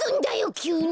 きゅうに！